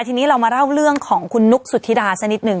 ทีนี้เรามาเล่าเรื่องของคุณนุ๊กสุธิดาสักนิดหนึ่ง